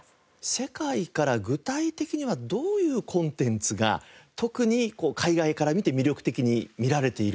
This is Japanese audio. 世界から具体的にはどういうコンテンツが特に海外から見て魅力的に見られているのか。